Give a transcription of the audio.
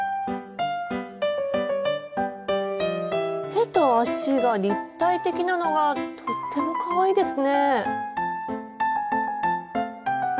手と足が立体的なのがとってもかわいいですね！